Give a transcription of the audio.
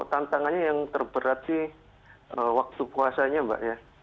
tantangannya yang terberat sih waktu puasanya mbak ya